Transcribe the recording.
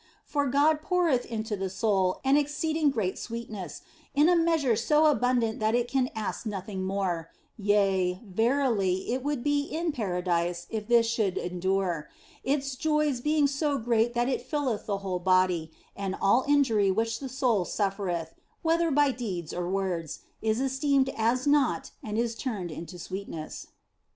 For God poureth into the soul an ex ceeding great sweetness, in a measure so abundant that it can ask nothing more yea, verily, it would be in Paradise if this should endure, its joy being so great that it filleth the whole body ; and all injury which the soul suffereth, whether by deeds or words, is esteemed as naught and is turned into sweetness.